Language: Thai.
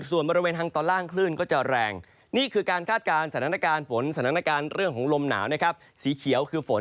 ส่วนบริเวณทางตอนล่างคลื่นก็จะแรงนี่คือการคาดการณ์สถานการณ์ฝนสถานการณ์เรื่องของลมหนาวนะครับสีเขียวคือฝน